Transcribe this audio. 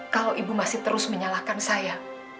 kalau ibu masih terus menyalahkan saya